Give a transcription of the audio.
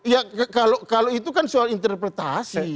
ya kalau itu kan soal interpretasi